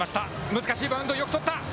難しいバウンド、よくとった。